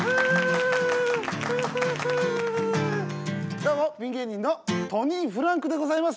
どうもピン芸人のトニーフランクでございます。